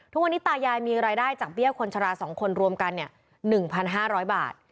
ทุกวันนี้ตายายมีรายได้จากเบี้ยคนชรา๒คนรวมกัน๑๕๐๐บาท